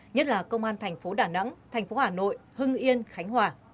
nhất là công an tp đà nẵng tp hà nội hưng yên khánh hòa